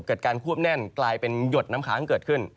เกิดการควบแน่นกลายเป็นหยดน้ำค้างเกิดขึ้น